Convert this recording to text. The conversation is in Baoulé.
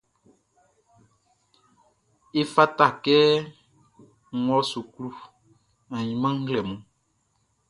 Efata kɛ n wɔ suklu ainman nglɛmun.